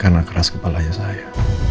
karena keras kepalanya saya